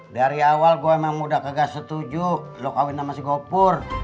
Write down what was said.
dari awal gue emang udah kagak setuju lo kawin sama si gopur